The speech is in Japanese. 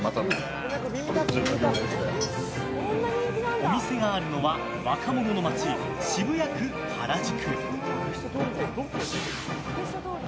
お店があるのは若者の街渋谷区原宿。